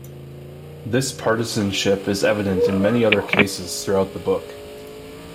This partisanship is evident in many other cases throughout the book.